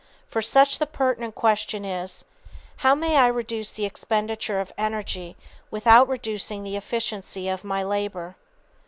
For such the pertinent question is, How may I reduce the expenditure of energy without reducing the efficiency of my labor?